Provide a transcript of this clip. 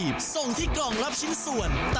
ยินดีเลยค่ะ